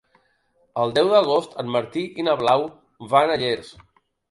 El deu d'agost en Martí i na Blau van a Llers.